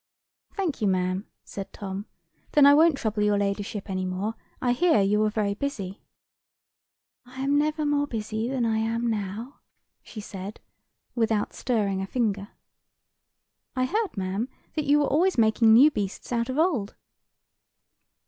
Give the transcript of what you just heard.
"Thank you, ma'am," said Tom. "Then I won't trouble your ladyship any more; I hear you are very busy." "I am never more busy than I am now," she said, without stirring a finger. "I heard, ma'am, that you were always making new beasts out of old."